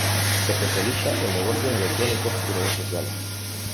Especialista en negocios electrónicos y redes sociales.